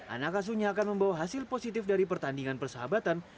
anak asuhnya akan membawa hasil positif dari pertandingan persahabatan